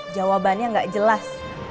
jawabannya gak jelas